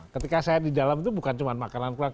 ketika saya di dalam itu bukan cuma makanan kurang